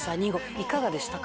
いかがでしたか？